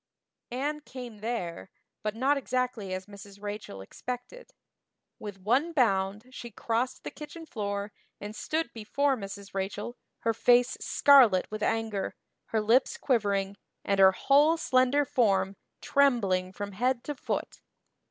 Anne "came there," but not exactly as Mrs. Rachel expected. With one bound she crossed the kitchen floor and stood before Mrs. Rachel, her face scarlet with anger, her lips quivering, and her whole slender form trembling from head to foot.